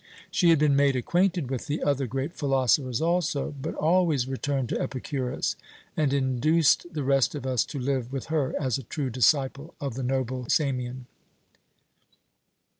She had been made acquainted with the other great philosophers also, but always returned to Epicurus, and induced the rest of us to live with her as a true disciple of the noble Samian.